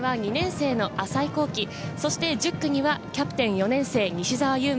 ７区には２年生の浅井皓貴、そして１０区にはキャプテン４年生・西澤侑真。